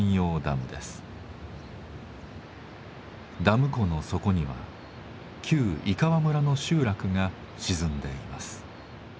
ダム湖の底には旧井川村の集落が沈んでいます。